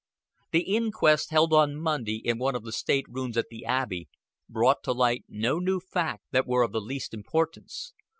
The inquest, held on Monday in one of the state rooms at the Abbey, brought to light no new facts that were of the least importance.